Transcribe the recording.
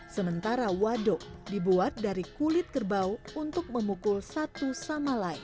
sementara waduk dibuat dari kulit kerbau untuk memukul satu sama lain